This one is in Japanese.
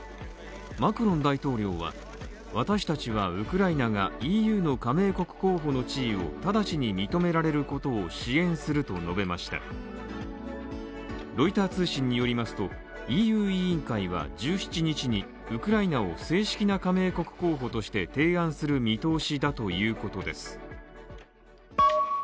マクロン大統領は、私たちはウクライナがＥＵの加盟国候補の地位を直ちに認められることを支援すると述べましたロイター通信によりますとＥＵ委員会は１７日にウクライナを正式な加盟国候補として提案する見通しだということです。